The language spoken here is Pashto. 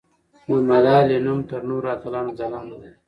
د ملالۍ نوم تر نورو اتلانو ځلانده دی.